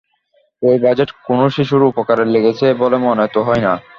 ওই বাজেট কোনো শিশুর উপকারে লেগেছে বলে মনে তো হয় না।